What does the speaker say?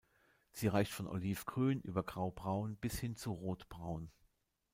Sie reicht von olivgrün über graubraun bis hin zu rotbraun.